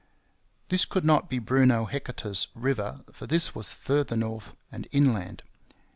This could not be Bruno Heceta's river, for this was farther north and inland.